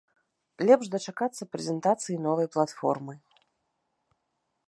Лепш дачакацца прэзентацыі новай платформы.